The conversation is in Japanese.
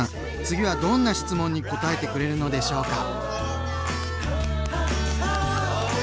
次はどんな質問にこたえてくれるのでしょうか？